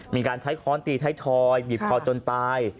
มีการใช้ค้อนตีไทยทอยบีบคอจนตาย